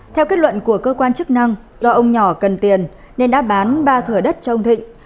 theo kết luận của cơ quan chức năng do ông nhỏ cần tiền nên đã bán ba thửa đất cho ông thịnh